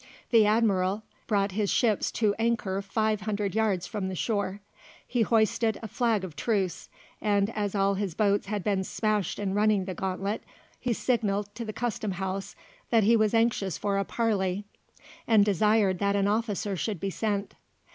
The Admiral brought his ships to anchor five hundred yards from the shore. He hoisted a flag of truce, and as all his boats had been smashed in running the gauntlet, he signalled to the Custom House that he was anxious for a parley, and desired that an officer should be sent.